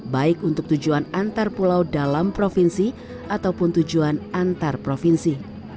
baik untuk tujuan antarpulau dalam provinsi ataupun tujuan antarprovinsi